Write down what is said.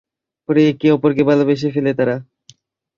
পরে একে অপরকে ভালোবেসে ফেলে তারা।